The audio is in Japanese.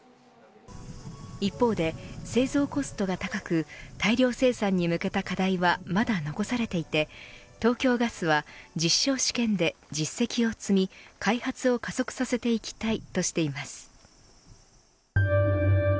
一方で、製造コストが高く大量生産に向けた課題はまだ残されていて東京ガスは実証試験で実績を積み開発を加速させていきたいとしています。